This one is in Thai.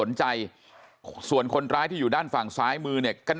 ทำให้สัมภาษณ์อะไรต่างนานไปออกรายการเยอะแยะไปหมด